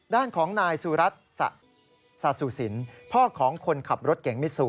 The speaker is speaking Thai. ด้านของนายสุรัตน์สาสุสินพ่อของคนขับรถเก่งมิซู